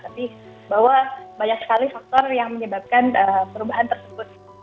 tapi bahwa banyak sekali faktor yang menyebabkan perubahan tersebut